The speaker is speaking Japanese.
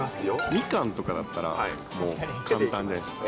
ミカンとかだったら、もう簡単じゃないですか。